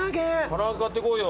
唐揚げ買ってこうよ。